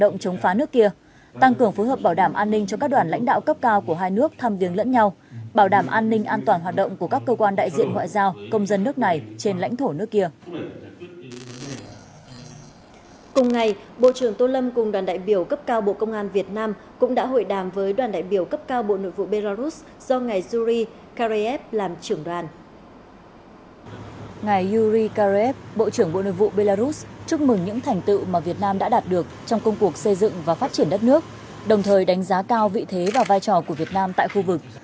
ngài yuri karev bộ trưởng bộ nội vụ belarus chúc mừng những thành tựu mà việt nam đã đạt được trong công cuộc xây dựng và phát triển đất nước đồng thời đánh giá cao vị thế và vai trò của việt nam tại khu vực